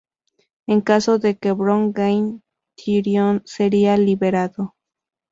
En caso de que Bronn gane, Tyrion sería liberado.